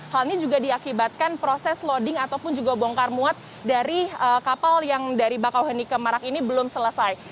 hal ini juga diakibatkan proses loading ataupun juga bongkar muat dari kapal yang dari bakauheni ke marak ini belum selesai